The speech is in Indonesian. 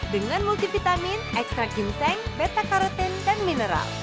dengan multivitamin ekstrak ginseng beta karotin dan mineral